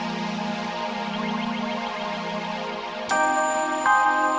sari kata dari sdi media